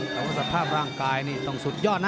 แต่ว่าสภาพร่างกายนี่ต้องสุดยอดนะ